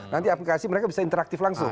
nanti aplikasi mereka bisa interaktif langsung